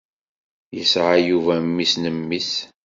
Yesɛa Yuba mmi-s n mmi-s.